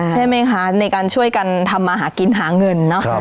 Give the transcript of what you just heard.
ใช่ไหมคะในการช่วยกันทำมาหากินหาเงินเนาะ